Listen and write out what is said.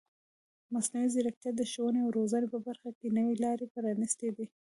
مصنوعي ځیرکتیا د ښوونې او روزنې په برخه کې نوې لارې پرانیستې دي.